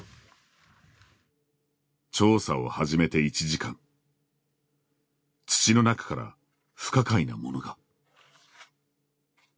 調査を始めて１時間土の中から不可解なものが。